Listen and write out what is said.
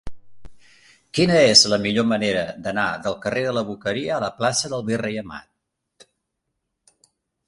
Quina és la millor manera d'anar del carrer de la Boqueria a la plaça del Virrei Amat?